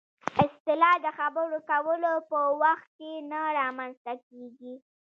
اصطلاح د خبرو کولو په وخت کې نه رامنځته کېږي